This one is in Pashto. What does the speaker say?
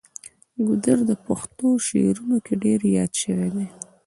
ګودر د پښتو شعرونو کې ډیر یاد شوی دی.